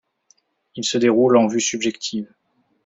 Il se déroule en vue subjective.